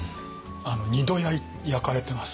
２度焼かれてます。